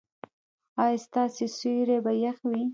ایا ستاسو سیوري به يخ وي؟